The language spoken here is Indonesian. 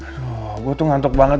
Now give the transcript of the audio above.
wah gue tuh ngantuk banget